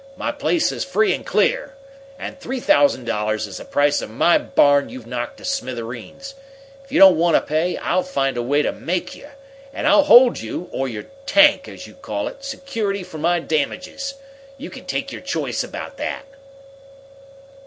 My place is free and clear! And three thousand dollars is the price of my barn you've knocked to smithereens. If you don't want to pay, I'll find a way to make you. And I'll hold you, or your tank, as you call it, security for my damages! You can take your choice about that."